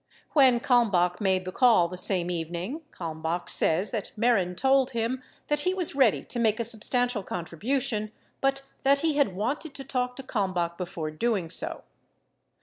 When Kalmbach made the call the same evening, Kalmbach says that Mehren told him that he was ready to make a substantial contribution but that he had wanted to talk to Kalmbach before doing so.